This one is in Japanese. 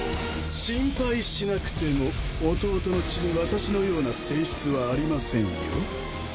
心配しなくても弟の血に私のような性質はありませんよ。